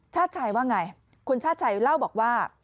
ชาติชัยว่าไงคุณชาติชัยเล่าบอกว่า